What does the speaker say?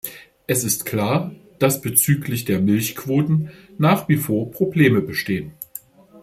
Es ist klar, dass bezüglich der Milchquoten nach wie vor Probleme bestehen.